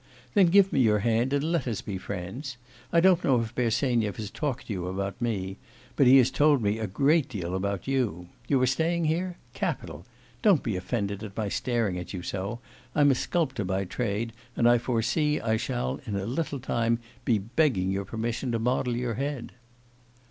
'Then give me your hand and let us be friends. I don't know if Bersenyev has talked to you about me, but he has told me a great deal about you. You are staying here? Capital! Don't be offended at my staring at you so. I'm a sculptor by trade, and I foresee I shall in a little time be begging your permission to model your head.